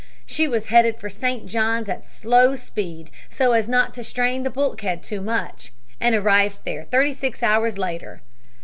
She was headed for St. John's at slow speed, so as not to strain the bulkhead too much, and arrived there thirty six hours later.